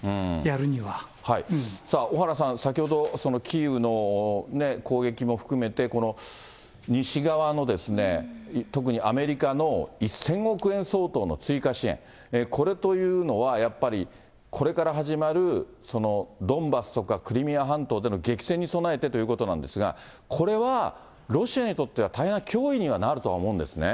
さあ、小原さん、先ほどキーウのね、攻撃も含めて、この西側の、特にアメリカの１０００億円相当の追加支援、これというのは、やっぱり、これから始まるドンバスとかクリミア半島での激戦に備えてということなんですが、これはロシアにとっては大変な脅威にはなると思うんですね。